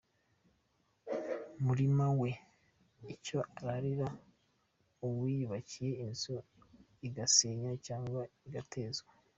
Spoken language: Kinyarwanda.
murima we icyo ararira; uwiyubakiye inzu igasenywa cyanga igatezwa